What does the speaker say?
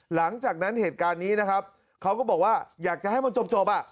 หลังจากนั้นเหตุการณ์นี้นะครับเขาก็บอกว่าอยากจะให้มันจบอ่ะ